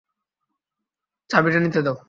চাবিটা নিতে দাও।